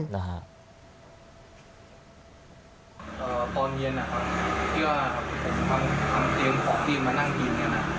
ตอนเย็นว่าที่ผมตั้งติมของพี่มานั่งกิน